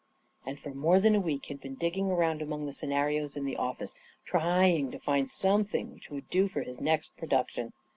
And for more than a week he had been digging around among the scenarios in the office trying to find something which would do for his next production.